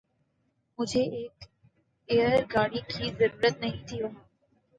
مجھیں ایک ایںر گاڑی کی ضریںرت نہیں تھیں وہاں